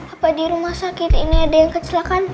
apa di rumah sakit ini ada yang kecelakaan